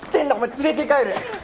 連れて帰る！